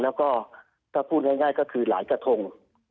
แล้วก็ถ้าพูดง่ายก็คือหลายกระทง